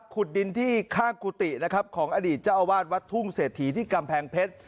ขุดดินที่ข้างกุฏินะครับของอดีตเจ้าอาวาสวัดทุ่งเศรษฐีที่กำแพงเพชร